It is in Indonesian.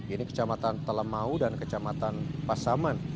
ini kecamatan telemau dan kecamatan pasaman